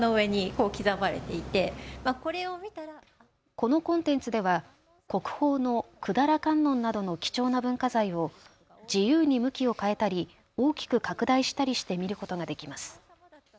このコンテンツでは国宝の百済観音などの貴重な文化財を自由に向きを変えたり大きく拡大したりして見ることができます。